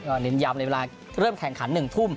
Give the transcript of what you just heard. เน้นย้ำในเวลาเริ่มแข่งขัน๑ทุ่ม